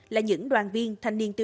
là những đoàn viên thanh niên tiên tiến